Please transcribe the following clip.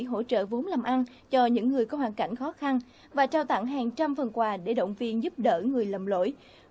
hỗ trợ vốn làm ăn cho những người có hoàn cảnh khó khăn và trao tặng hàng trăm phần quà để động viên giúp đỡ người lầm lỗi